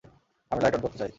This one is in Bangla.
আমি লাইট অন করতে চাই।